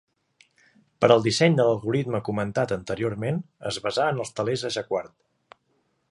Per al disseny de l'algoritme comentat anteriorment, es basà en els telers de Jacquard.